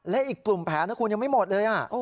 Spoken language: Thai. และอีกกลุ่มแผนนะคุณยังไม่หมดเลย